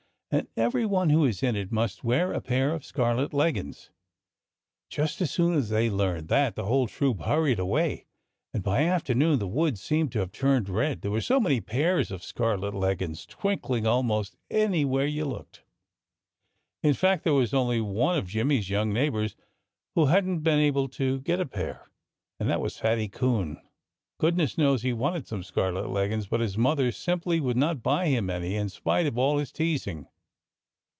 And everyone who is in it must wear a pair of scarlet leggins." Just as soon as they learned that, the whole troop hurried away. And by afternoon the woods seemed to have turned red, there were so many pairs of scarlet leggins twinkling almost anywhere you looked. In fact, there was only one of Jimmy's young neighbors who hadn't been able to get a pair. And that was Fatty Coon. Goodness knows he wanted some scarlet leggins. But his mother simply would not buy him any, in spite of all his teasing.